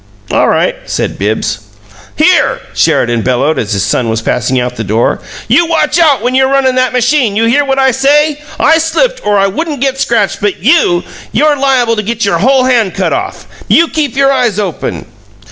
"All right," said Bibbs. "HERE!" Sheridan bellowed, as his son was passing out of the door. "You watch out when you're runnin' that machine! You hear what I say? I slipped, or I wouldn't got scratched, but you YOU'RE liable to get your whole hand cut off! You keep your eyes open!"